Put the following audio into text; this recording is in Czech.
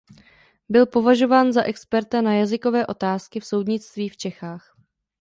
Byl považován za experta na jazykové otázky v soudnictví v Čechách.